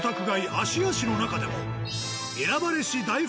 芦屋市の中でも。